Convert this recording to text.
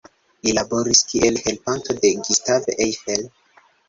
Li laboris kiel helpanto de Gustave Eiffel.